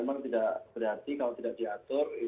memang tidak berarti kalau tidak diatur